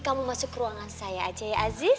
kamu masuk ruangan saya aja ya aziz